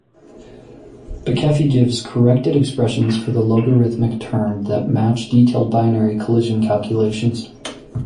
Bekefi gives corrected expressions for the logarithmic term that match detailed binary-collision calculations.